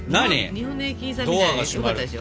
日本の駅員さんみたいでよかったですよ。